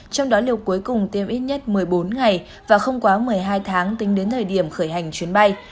trong đó liệu cuối cùng tiêm ít nhất một mươi bốn ngày và không quá một mươi hai tháng tính đến thời điểm khởi hành chuyến bay